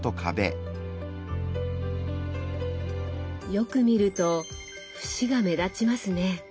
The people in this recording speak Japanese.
よく見ると節が目立ちますね。